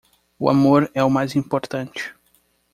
O amor é o mais importante